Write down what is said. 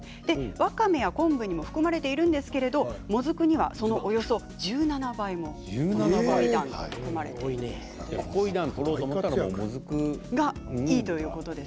わかめや昆布にも含まれているんですがもずくには、そのおよそ１７倍もフコイダンが含まれているそうです。